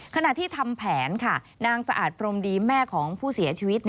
ขณะที่ทำแผนค่ะนางสะอาดพรมดีแม่ของผู้เสียชีวิต